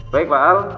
baik pak al